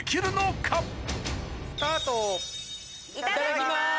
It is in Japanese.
いただきます！